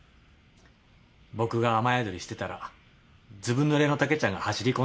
僕が雨宿りしてたらずぶぬれの竹ちゃんが走り込んできた。